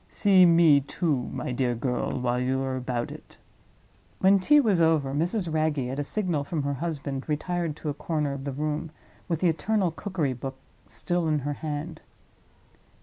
See me, too, my dear girl, while you are about it." When tea was over, Mrs. Wragge, at a signal from her husband, retired to a corner of the room, with the eternal cookery book still in her hand.